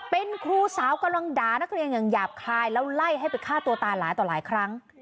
เป็นครูสาวกำลังด่านักเรียนอย่างหยาบคายแล้วไล่ให้ไปฆ่าตัวตายหลายต่อหลายครั้ง